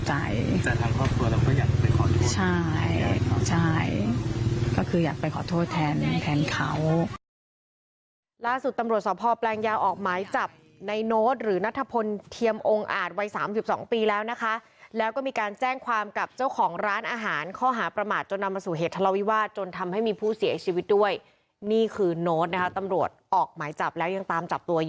ใช่ก็คืออยากไปขอโทษแทนเขา